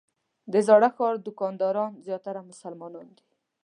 د زاړه ښار دوکانداران زیاتره مسلمانان دي.